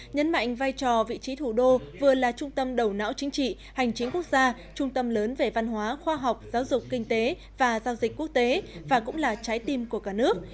nhấn mạnh vai trò vị trí thủ đô vừa là trung tâm đầu não chính trị hành chính quốc gia trung tâm lớn về văn hóa khoa học giáo dục kinh tế và giao dịch quốc tế và cũng là trái tim của cả nước